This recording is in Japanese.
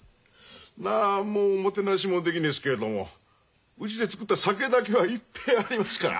なんもおもてなしもできねっすけどもうちで造った酒だけはいっぺえありますから。